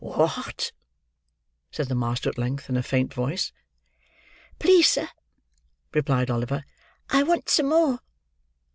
"What!" said the master at length, in a faint voice. "Please, sir," replied Oliver, "I want some more."